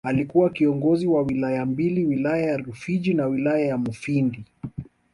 Alikuwa kiongozi wa Wilaya mbili Wilaya ya Rufiji na Wilaya ya Mufindi